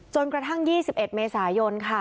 จนกระทั่ง๒๑เมษายนค่ะ